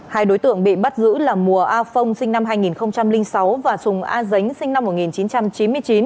hai đối tượng bị bắt giữ là mùa a phong sinh năm hai nghìn sáu và sùng a dính sinh năm một nghìn chín trăm chín mươi chín